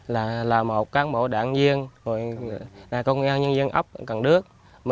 là một cán bộ đảng viên là công nhân dân ấp cần đức